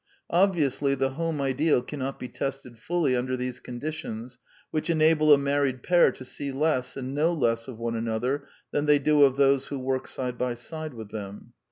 Obviously the home ideal cannot be tested fully under these conditions, which enable a married pair to see less and know less of one another than they do of those who work side by side with them.